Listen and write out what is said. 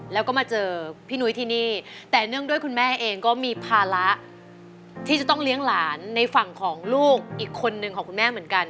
แล้วก็มาเจอพี่นุ้ยที่นี่แต่เนื่องด้วยคุณแม่เองก็มีภาระที่จะต้องเลี้ยงหลานในฝั่งของลูกอีกคนนึงของคุณแม่เหมือนกัน